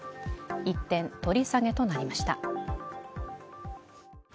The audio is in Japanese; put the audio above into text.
一転、取り下げとなりました。